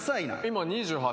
今２８。